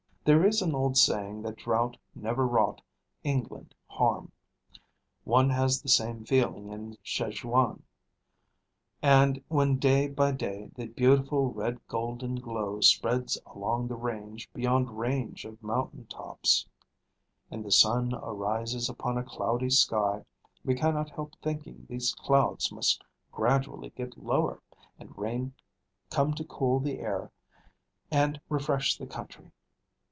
There is an old saying that drought never wrought England harm. One has the same feeling in Szechuan; and when day by day the beautiful red golden glow spreads along the range beyond range of mountain tops, and the sun arises upon a cloudy sky, we cannot help thinking these clouds must gradually get lower, and rain come to cool the air and refresh the country.